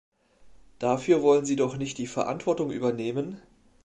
Dafür wollen Sie doch nicht die Verantwortung übernehmen?